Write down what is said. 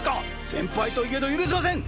先輩といえど許せません